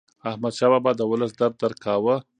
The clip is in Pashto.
احمدشاه بابا د ولس درد درک کاوه.